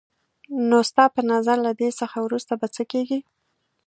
نو ستا په نظر له دې څخه وروسته به څه کېږي؟